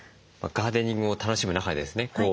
ガーデニングを楽しむ中でですね